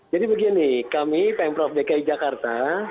jadi begini kami pemprov dki jakarta